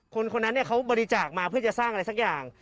คนคนนั้นเขาบริจาคมาเพื่อจะสร้างอะไรสักอย่าง